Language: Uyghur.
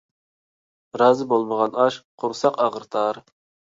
رازى بولمىغان ئاش قۇرساق ئاغرىتار.